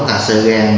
là sơ gan